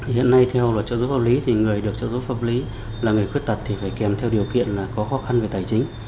hiện nay theo luật trợ giúp pháp lý thì người được trợ giúp pháp lý là người khuyết tật thì phải kèm theo điều kiện là có khó khăn về tài chính